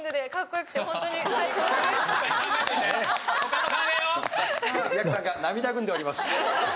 やくさんが涙ぐんでおります。